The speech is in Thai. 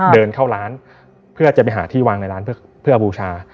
เดินเข้าร้านเพื่อจะไปหาที่วางในร้านเพื่อบูชา